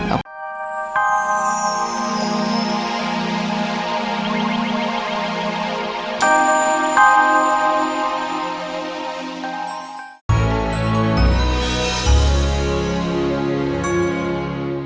aku akan menanggung semua akibatnya